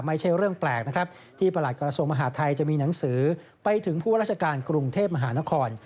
ไม่ใช่เรื่องแปลกนะครับที่ประหลัดกระทรวงมหาทัยจะมีหนังสือไปถึงผู้ราชการกรุงเทพมหานคร